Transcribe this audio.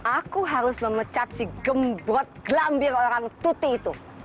aku harus memecap si gembrot gelambir orang tuti itu